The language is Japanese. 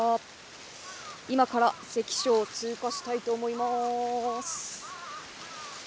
今から関所を通過したいと思います。